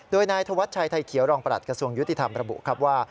โดยนายธวัชชัยไทยเขียวรองประหลัดกระทรวงยุติธรรมระบุครับว่า